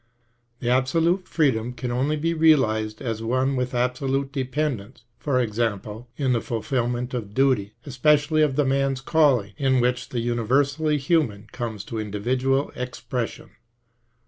And absolute freedom can only be realised as one with absolute dependence, i.e. in the fulfilment of duty, especially of the man's calling, in which the universally human comes to individual expression.